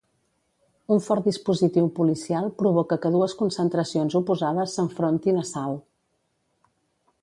Un fort dispositiu policial provoca que dues concentracions oposades s'enfrontin a Salt.